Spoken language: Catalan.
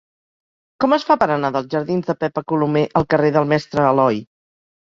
Com es fa per anar dels jardins de Pepa Colomer al carrer del Mestre Aloi?